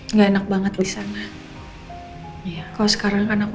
aku kaya bangin kenumpulan sama kamu